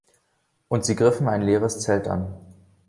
Und sie griffen ein leeres Zelt an.